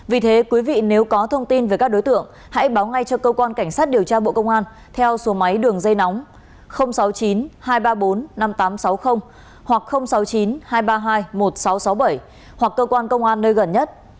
vì thế quý vị nếu có thông tin về các đối tượng hãy báo ngay cho cơ quan cảnh sát điều tra bộ công an theo số máy đường dây nóng sáu mươi chín hai trăm ba mươi bốn năm nghìn tám trăm sáu mươi hoặc sáu mươi chín hai trăm ba mươi hai một nghìn sáu trăm sáu mươi bảy hoặc cơ quan công an nơi gần nhất